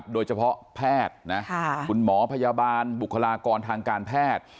โดยเฉพาะแพทย์คุณหมอพยาบาลบุคลากรทางการแพทย์